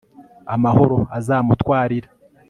amahoro azamutwarira